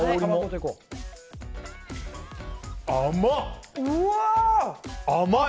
甘っ！